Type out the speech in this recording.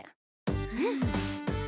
うん。